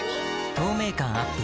透明感アップ